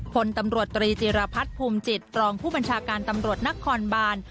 พลตำรวจตรีจิรพัฒน์ภูมิจิตรองผู้บัญชาการตำรวจนครบาน